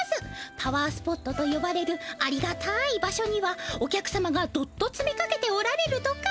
パワースポットとよばれるありがたい場所にはお客様がどっとつめかけておられるとか。